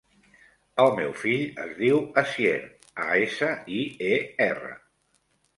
El meu fill es diu Asier: a, essa, i, e, erra.